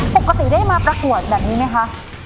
ปกติได้มาประกวดแบบนี้ไหมคะ